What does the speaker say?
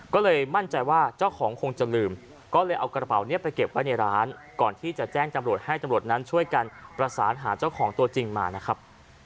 ก็เลยมั่นใจว่าเจ้าของคงจะลืมก็เลยเอากระเป๋านี้ไปเก็บไว้ในร้านก่อนที่จะแจ้งจำรวจให้จำรวจนั้นช่วยกันประสานหาเจ้าของตัวจริงมานะครับ